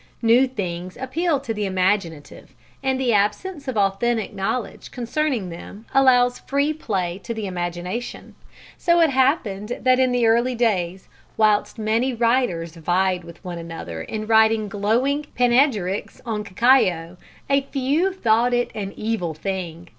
New things appeal to the imaginative, and the absence of authentic knowledge concerning them allows free play to the imagination so it happened that in the early days, whilst many writers vied with one another in writing glowing panegyrics on cacao, a few thought it an evil thing.